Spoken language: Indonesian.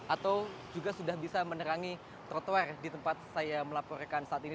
atau juga sudah bisa menerangi trotoar di tempat saya melaporkan saat ini